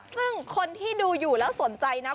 ซึ่งคนที่ดูอยู่แล้วสนใจนะคุณผู้ชมสามารถ